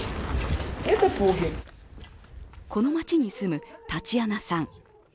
この街に住むタチアナさん。